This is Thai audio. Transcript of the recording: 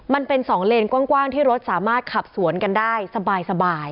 มันเป็น๒เลนกว้างที่รถสามารถขับสวนกันได้สบาย